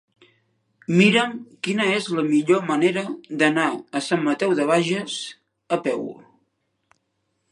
Mira'm quina és la millor manera d'anar a Sant Mateu de Bages a peu.